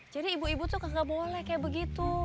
jadi ibu ibu tuh kagak boleh kayak begitu